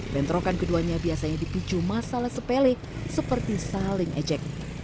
bentrokan keduanya biasanya dipicu masalah sepele seperti saling ejek